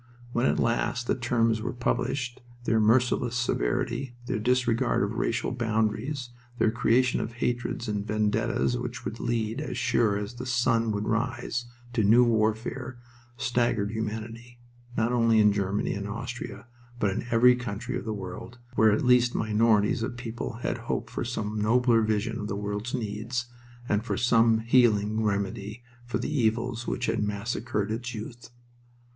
When at last the terms were published their merciless severity, their disregard of racial boundaries, their creation of hatreds and vendettas which would lead, as sure as the sun should rise, to new warfare, staggered humanity, not only in Germany and Austria, but in every country of the world, where at least minorities of people had hoped for some nobler vision of the world's needs, and for some healing remedy for the evils which had massacred its youth.